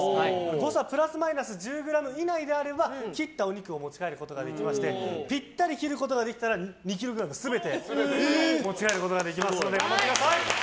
誤差プラスマイナス１０ｇ以内であれば切ったお肉を持ち帰ることができましてぴったり切ることができれば２ｋｇ全て持ち帰ることができますので頑張ってください！